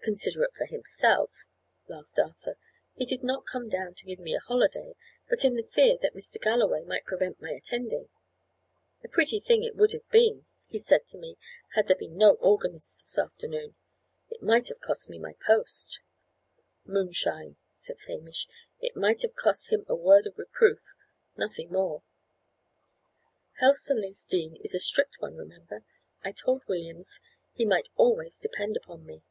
"Considerate for himself," laughed Arthur. "He did not come down to give me holiday, but in the fear that Mr. Galloway might prevent my attending. 'A pretty thing it would have been,' he said to me, 'had there been no organist this afternoon; it might have cost me my post.'" "Moonshine!" said Hamish. "It might have cost him a word of reproof; nothing more." "Helstonleigh's dean is a strict one, remember. I told Williams he might always depend upon me."